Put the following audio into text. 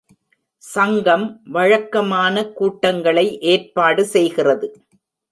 சங்கம் வழக்கமான கூட்டங்களை ஏற்பாடு செய்கிறது.